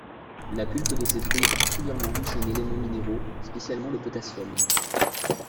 La pulpe de ses fruits est particulièrement riche en éléments minéraux, spécialement le potassium.